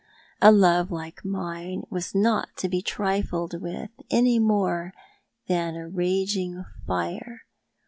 A love like mine was not to bo trifled with any more than a raging fire.